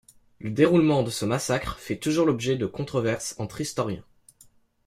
Le déroulement de ce massacre fait toujours l’objet de controverses entre historiens.